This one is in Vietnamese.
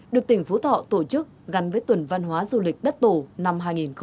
được tỉnh phú thọ tổ chức gắn với tuần văn hóa du lịch đất tổ năm hai nghìn hai mươi bốn